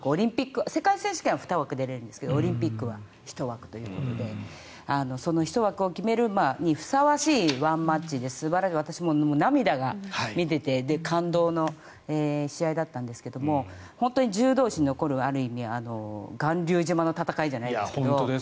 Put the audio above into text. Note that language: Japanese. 世界選手権は２枠出れるんですけどオリンピックは１枠ということでその１枠を決めるにふさわしいワンマッチで私も見ていて涙が感動の試合だったんですけど本当に柔道史に残るある意味巌流島の戦いじゃないですが。